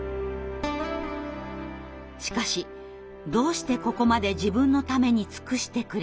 しかしどうしてここまで自分のために尽くしてくれるのか。